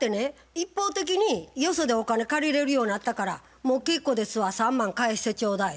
一方的によそでお金借りれるようなったから「もう結構ですわ３万返してちょうだい」